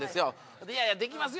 「いやいやできますよ！」